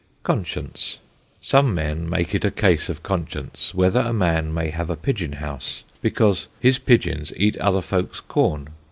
CONSCIENCE. Some men make it a Case of Conscience, whether a Man may have a Pigeon house, because his Pigeons eat other Folks' Corn.